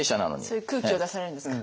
そういう空気を出されるんですか？